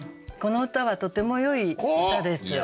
この歌はとてもよい歌です。